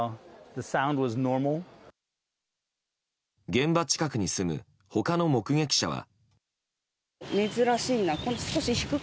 現場近くに住む他の目撃者は。